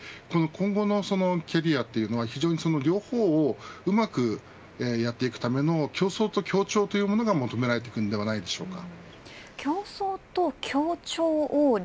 今後のキャリアは非常に両方をうまくやっていくための競争と協調が求められていくのではないでしょうか。